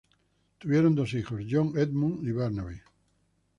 Tuvieron dos hijos: John Edmond y Barnaby.